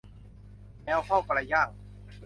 แมวเฝ้าปลาย่าง